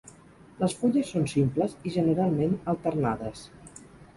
Les fulles són simples i generalment alternades.